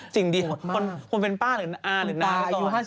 จริงดีพูดเป็นป้าหรือนางหรือนางต่อ